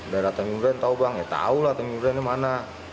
daerah tanjung duren tau bang ya tau lah tanjung durennya mana